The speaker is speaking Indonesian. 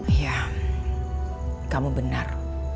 iya kamu benar